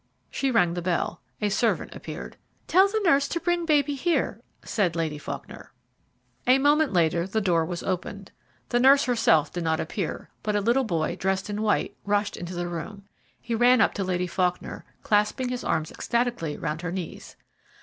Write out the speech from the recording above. She rang the bell. A servant appeared. "Tell nurse to bring baby here," said I Faulkner. A moment later the door was opened the nurse herself did not appear, but a little boy, dressed in white, rushed into the room. He ran up to Lady Faulkner, clasping his arms ecstatically round her knees.